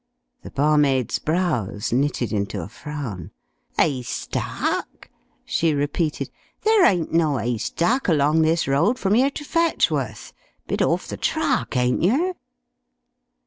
The barmaid's brows knitted into a frown. "'Aystack?" she repeated. "There ain't no 'aystack along this road from 'ere to Fetchworth. Bit orf the track, ain't yer?"